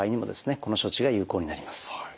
この処置が有効になります。